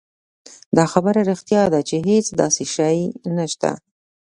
دا خبره رښتيا ده چې هېڅ داسې شی نشته.